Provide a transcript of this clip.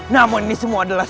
namun ini semua adalah